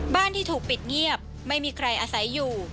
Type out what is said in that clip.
ที่ถูกปิดเงียบไม่มีใครอาศัยอยู่